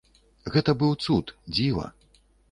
Гэта быў цуд, дзіва.